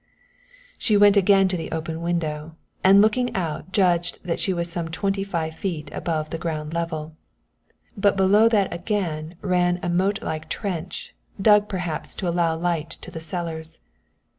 She went again to the open window and looking out judged that she was some twenty five feet above the ground level, but that below that again ran a moat like trench, dug perhaps to allow light to the cellars.